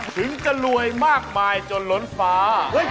ถึงจะรวยมากมายจนล้นฟ้า